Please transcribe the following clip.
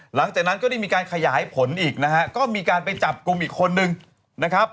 หลังจากนั้นก็ได้มีการขยายผลอีกนะฮะก็มีการไปจับกลุ่มอีกคนนึงนะครับ